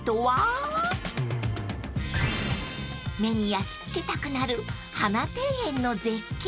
［目に焼き付けたくなる花庭園の絶景］